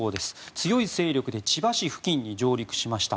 強い勢力で千葉市付近に上陸しました。